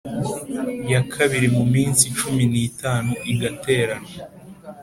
ya kabiri mu minsi cumi n itanu igaterana